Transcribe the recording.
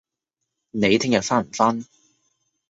你聽日返唔返